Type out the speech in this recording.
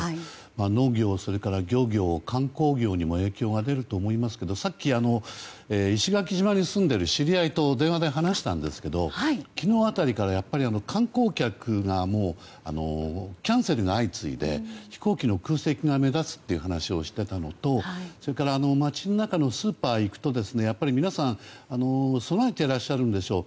農業、漁業、観光業にも影響が出ると思いますけどさっき石垣島に住んでいる知り合いと電話で話したんですけど昨日辺りからやっぱり観光客のキャンセルが相次いで飛行機の空席が目立つという話をしていたのとそれから、街のスーパーに行くと皆さん備えていらっしゃるんでしょう。